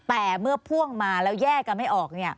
แต่เมื่อพ่วงมาแล้วแยกกันไม่ออก